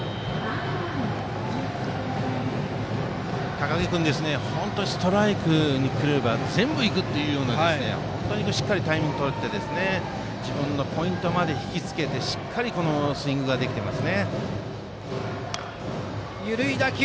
高木君はストライクに来れば全部行くというしっかりタイミングもとれていて自分のポイントまで引きつけていいスイングができています。